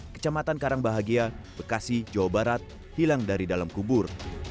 kecamatan karangbahagia bekasi jawa barat hilang dari dalam kubur